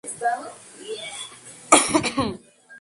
Le resulta imposible ser hijo de Amérika